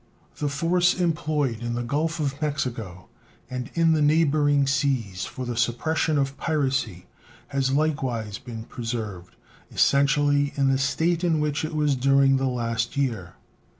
The force employed in the Gulf of Mexico and in the neighboring seas for the suppression of piracy has likewise been preserved essentially in the state in which it was during the last year.